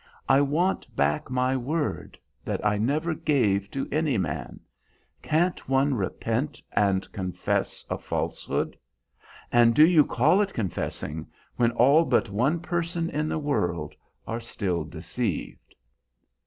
I want back my word, that I never gave to any man. Can't one repent and confess a falsehood? And do you call it confessing, when all but one person in the world are still deceived?"